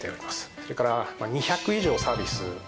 それから２００以上のサービスがあります。